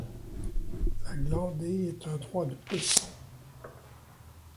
La glandée est un droit de paisson.